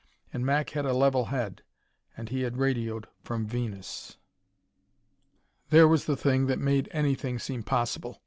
And Mac had a level head, and he had radioed from Venus! There was the thing that made anything seem possible.